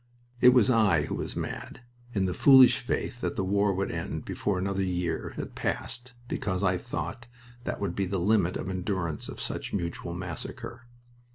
It was I who was mad, in the foolish faith that the war would end before another year had passed, because I thought that would be the limit of endurance of such mutual massacre.